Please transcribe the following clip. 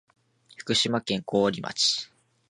福島県桑折町